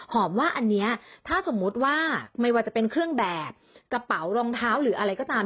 ว่าอันนี้ถ้าสมมุติว่าไม่ว่าจะเป็นเครื่องแบบกระเป๋ารองเท้าหรืออะไรก็ตาม